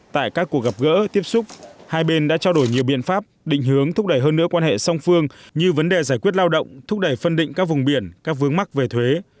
tại các cuộc gặp gỡ tiếp xúc hai bên đã trao đổi nhiều biện pháp định hướng thúc đẩy hơn nữa quan hệ song phương như vấn đề giải quyết lao động thúc đẩy phân định các vùng biển các vướng mắc về thuế